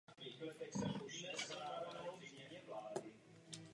Kapverdy jsou parlamentní republikou.